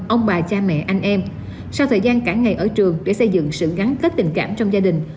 ông bà cha mẹ anh em sau thời gian cả ngày ở trường để xây dựng sự gắn kết tình cảm trong gia đình